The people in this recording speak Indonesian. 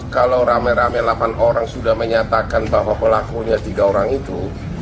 kalau rame rame delapan orang sudah menyatakan bahwa pelakunya tiga orang itu